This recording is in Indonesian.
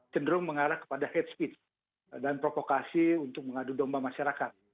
cenderung mengarah kepada hate speech dan provokasi untuk mengadu domba masyarakat